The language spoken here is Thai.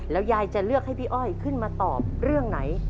แล้วยายจะเลือกให้พี่อ้อยขึ้นมาตอบเรื่องไหน